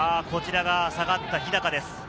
こちらが下がった日高です。